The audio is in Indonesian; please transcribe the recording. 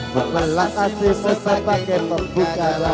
berkawin yang ikat kewangan dan setara